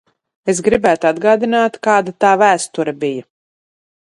Es gribētu atgādināt, kāda tā vēsture bija.